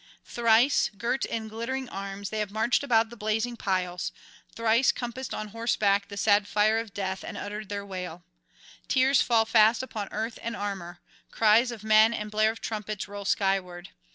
Thrice, girt in glittering arms, they have marched about the blazing piles, thrice compassed on horseback the sad fire of death, and uttered their wail. Tears fall fast upon earth and armour; cries of men and blare of trumpets roll skyward.